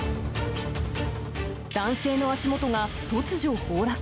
男性の足元が突如崩落。